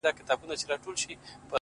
را ايله يې کړه آزار دی جادوگري-